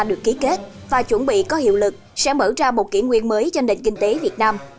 được ký kết và chuẩn bị có hiệu lực sẽ mở ra một kỷ nguyên mới cho nền kinh tế việt nam